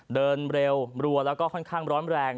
เดินเร็วรัวแล้วก็ค่อนข้างร้อนแรง